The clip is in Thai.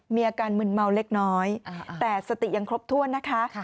มีอาการมึนเมาเล็กน้อยแต่สติยังครบถ้วนนะคะ